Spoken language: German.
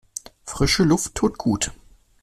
Frische Luft tut gut.